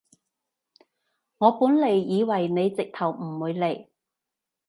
我本來以為你直頭唔會嚟